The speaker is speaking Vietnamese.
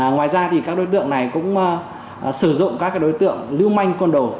ngoài ra các đối tượng này cũng sử dụng các đối tượng lưu manh con đồ